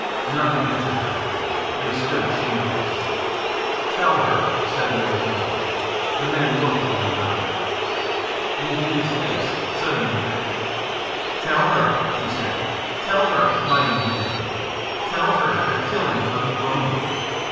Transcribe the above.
None answered her. They stood shame faced. "Tell her," said the old woman. The men looked at one another. Eudena's face suddenly lit. "Tell her," she said. "Tell her, mighty men! Tell her the killing of Ugh lomi."